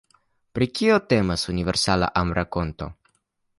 Pri kio temas Universala Amrakonto?